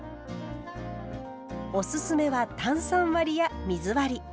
おすすめは炭酸割りや水割り。